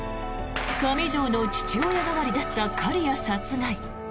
上條の父親代わりだった刈谷殺害。